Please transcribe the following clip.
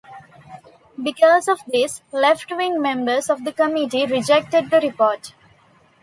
Because of this, left-wing members of the committee rejected the report.